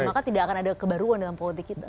maka tidak akan ada kebaruan dalam politik kita